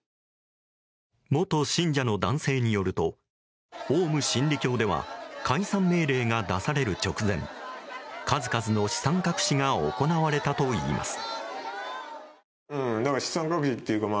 元信者の男性によるとオウム真理教では解散命令が出される直前数々の資産隠しが行われたといいます。